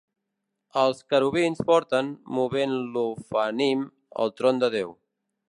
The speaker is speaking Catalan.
Els querubins porten, movent l'Ofanim, el tron de Déu.